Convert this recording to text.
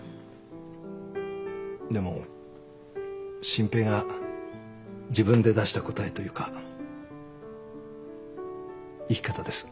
でも真平が自分で出した答えというか生き方です。